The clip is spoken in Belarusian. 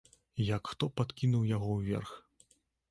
Як хто падкінуў яго ўверх.